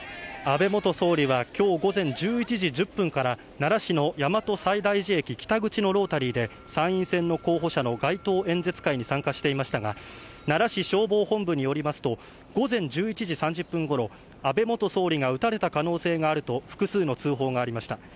安倍元総理はきょう午前１１時１０分から、奈良市の大和西大寺駅北口のロータリーで、参院選の候補者の街頭演説会に参加していましたが、奈良市消防本部によりますと、午前１１時３０分ごろ、安倍元総理が撃たれた可能性があると、複数の通報がありました。